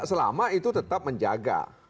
selama itu tetap menjaga